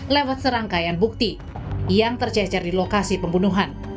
lewat serangkaian bukti yang tercecer di lokasi pembunuhan